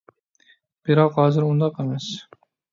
بىراق ھازىر ئۇنداق ئەمەس.